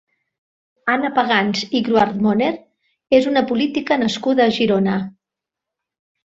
Anna Pagans i Gruartmoner és una política nascuda a Girona.